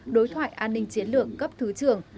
đối thoại an ninh chiến lược cấp thứ trưởng